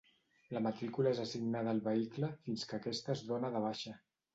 La matrícula és assignada al vehicle fins que aquest es dóna de baixa.